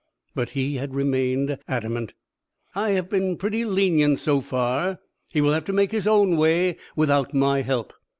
But he had remained like adamant. "I have been pretty lenient so far. He will have to make his own way without my help.